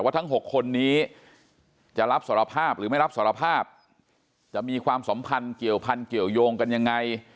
ทั้ง๖คนนี้จะรับสารภาพหรือไม่รับสารภาพจะมีความสัมพันธ์เกี่ยวพันธุเกี่ยวยงกันยังไง